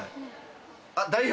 あっ代表！